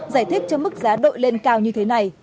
giải thích cho mức giá đội lên cao như thế này